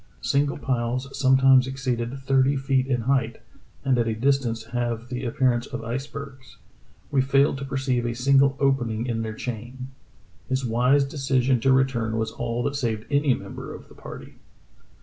Single piles sometimes exceeded thirty feet in height, and at a distance have the appearance of icebergs. We failed to perceive a single opening in their chain. " His wise decision to return was all that saved any member of the party.